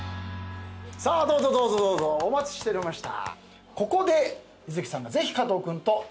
さあどうぞどうぞどうぞお待ちしておりました。